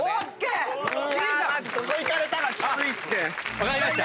分かりました？